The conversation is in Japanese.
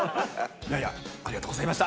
いやいやありがとうございました。